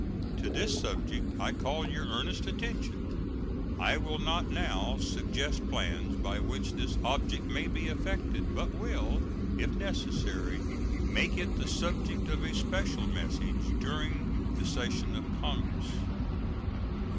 To this subject I call your earnest attention. I will not now suggest plans by which this object may be effected, but will, if necessary, make it the subject of a special message during the session of Congress.